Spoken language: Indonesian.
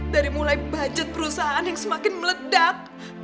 dari mulai budget perusahaan yang semakin meledak